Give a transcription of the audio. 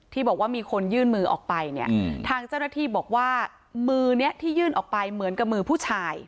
ที่บอกว่ามีคนยื่นมือออกไปเนี่ยทางเจ้าหน้าที่บอกว่ามือนี้ที่ยื่นออกไปเหมือนกับมือผู้ชาย